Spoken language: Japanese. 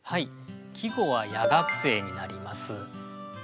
季語は「夜学生」になります。